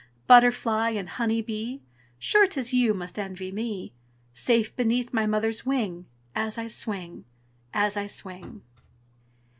Butterfly and honey bee, Sure 't is you must envy me, Safe beneath my mother's wing As I swing, as I swing.